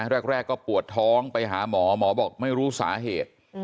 แรกก็ปวดท้องไปหาหมอหมอบอกไม่รู้สาเหตุ